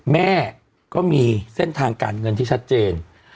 แม่ก็มีเส้นทางการเงินที่ชัดเจน